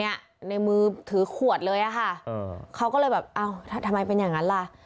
ในมือถือขวดเลยอะค่ะเขาก็เลยแบบอ้าวทำไมเป็นอย่างนั้นล่ะ